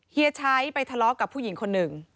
เฮีชัยไปทะเลาะกับผู้หญิงคนหนึ่ง